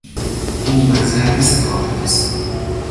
او مظهر سخاوت است.